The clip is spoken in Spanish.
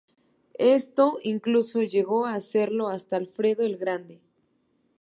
Esto incluso llegó a hacerlo hasta Alfredo el Grande.